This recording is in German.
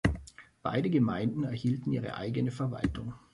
Beide Gemeinden erhielten ihre eigene Verwaltung.